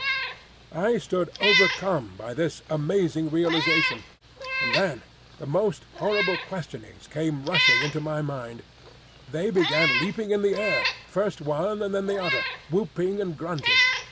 I stood overcome by this amazing realisation and then the most horrible questionings came rushing into my mind. They began leaping in the air, first one and then the other, whooping and grunting.